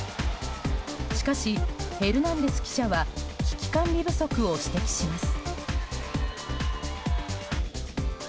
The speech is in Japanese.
しかし、ヘルナンデス記者は危機管理不足を指摘します。